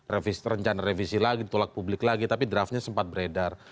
rencana revisi lagi ditolak publik lagi tapi draftnya sempat beredar